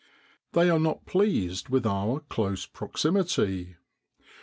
They are not pleased with our close proximity.